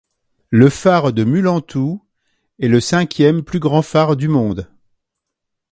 Le Phare de Mulantou est le cinquième plus grand phare du monde.